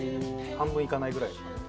半分いかないぐらいですかね。